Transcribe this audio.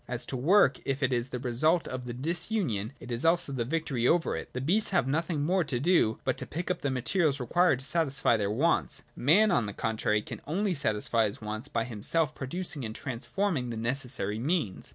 As to work, if it is the result of the disunion, it is also the victory over it. The beasts have nothing more to do but to pick up the materials required to satisfy their wants : man on the contrary can only satisfy his wants by himself producing and transforming the necessary means.